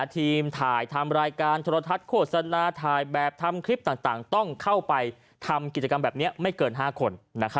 ทีมถ่ายทำรายการโทรทัศน์โฆษณาถ่ายแบบทำคลิปต่างต้องเข้าไปทำกิจกรรมแบบนี้ไม่เกิน๕คน